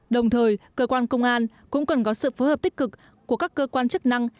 đồng thời cơ quan công an cũng cần có sự phối hợp tích cực của các cơ quan chức năng